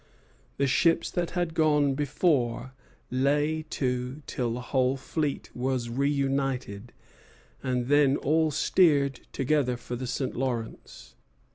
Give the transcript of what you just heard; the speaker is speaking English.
The ships that had gone before lay to till the whole fleet was reunited, and then all steered together for the St. Lawrence.